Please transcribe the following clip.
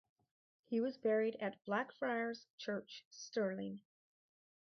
He was buried at Blackfriars' Church, Stirling.